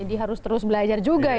jadi harus terus belajar juga ya